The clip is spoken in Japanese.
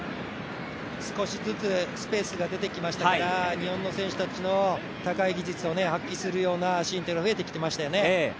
少しずつスペースが出てきましたから日本の選手たちの高い技術を発揮するようなシーンが増えてきましたよね。